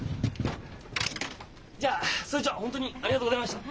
じゃあそれじゃ本当にありがとうございました。